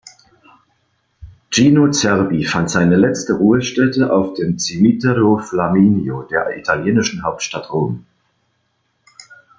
Gino Cervi fand seine letzte Ruhestätte auf dem Cimitero Flaminio der italienischen Hauptstadt Rom.